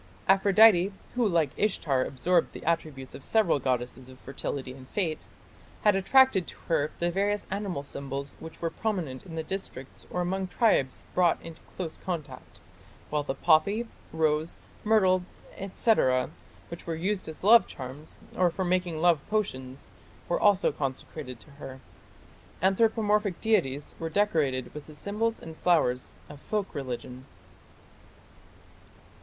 Aphrodite, who like Ishtar absorbed the attributes of several goddesses of fertility and fate, had attached to her the various animal symbols which were prominent in districts or among tribes brought into close contact, while the poppy, rose, myrtle, &c., which were used as love charms, or for making love potions, were also consecrated to her. Anthropomorphic deities were decorated with the symbols and flowers of folk religion.